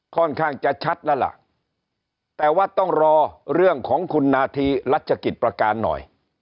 ค่อนข้างจะชัดแล้วล่ะแต่ว่าต้องรอเรื่องของคุณนาธีรัชกิจประการหน่อย